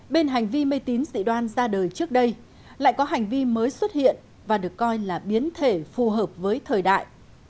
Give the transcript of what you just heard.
bên hành vi mê tín dị đoan ra đời trước đây lại có hành vi mới xuất hiện và được coi là biến thể phù hợp với thời đại